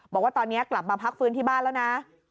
บอกว่าตอนนี้กลับมาพักฟื้นที่บ้านแล้วนะ